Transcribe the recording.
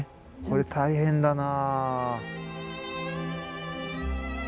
これ大変だな。